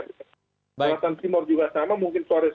berjalan jalan timur juga sama mungkin flores